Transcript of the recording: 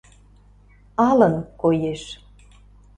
Алын коеш